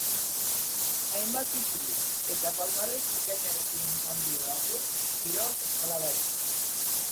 Hainbat titulu eta palmares bikaianarekin esan dio agur kirol eskaladari.